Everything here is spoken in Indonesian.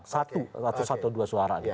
satu atau satu dua suara gitu